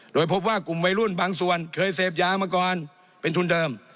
โดยพบว่ากลุ่มวัยรุ่นบางส่วนเคยเสพยามาก่อนเป็นทุนเดิม